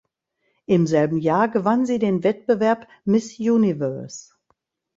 Im selben Jahr gewann sie den Wettbewerb Miss Universe.